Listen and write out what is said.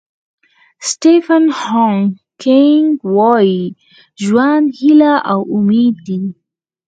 سټیفن هاکینګ وایي ژوند هیله او امید دی.